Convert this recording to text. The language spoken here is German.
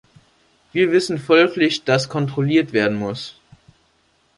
Wir wissen folglich, dass kontrolliert werden muss.